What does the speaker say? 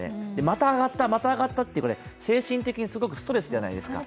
また上がった、また上がったって精神的にすごいストレスじゃないですか。